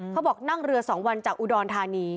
เขาบอกนั่งเรือ๒วันจากอุดรธานี